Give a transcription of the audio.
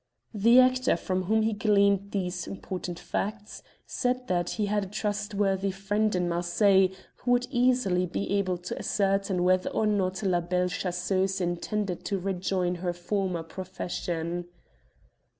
The actor from whom he gleaned these important facts said that he had a trustworthy friend in Marseilles who would easily be able to ascertain whether or not La Belle Chasseuse intended to rejoin her former profession.